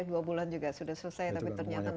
dua bulan juga sudah selesai tapi ternyata